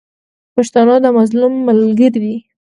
پښتون د مظلوم ملګری دی.